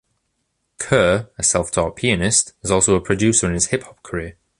Kerr, a self-taught pianist, is also a producer in his hip-hop career.